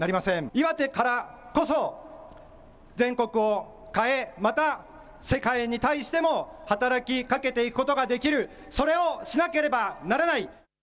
岩手からこそ全国を変え、また世界に対しても働きかけていくことができる、それをしなければならない。